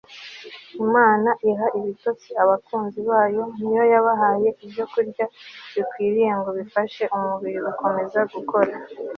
imana iha ibitotsi abakunzi bayo ni yo yabahaye ibyokurya bikwiriye ngo bifashe umubiri gukomeza gukora